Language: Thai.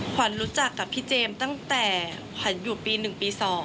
ขวัญรู้จักกับพี่เจมส์ตั้งแต่ขวัญอยู่ปี๑ปี๒